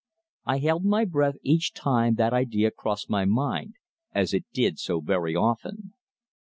I held my breath each time that idea crossed my mind as it did so very often.